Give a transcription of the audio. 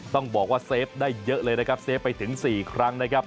ต้องบอกว่าเซฟได้เยอะเลยนะครับเซฟไปถึง๔ครั้งนะครับ